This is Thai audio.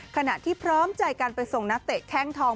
ขณะที่พร้อมใจกันไปส่งนักเตะแข้งทอง